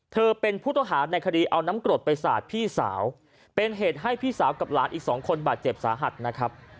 เธอเป็นผู้ต้องหาในคดีเอาน้ำกรดไปสาดพี่สาวเป็นเหตุให้พี่สาวกับหลานอีกสองคนบาดเจ็บสาหัสนะครับ